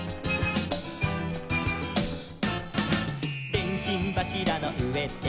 「でんしんばしらの上で」